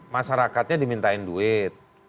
masyarakatnya dimintain duit